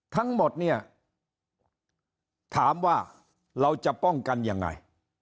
ทั้งหมดเนี่ยถามว่าเราจะป้องกันยังไง